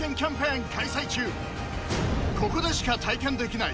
ここでしか体験できない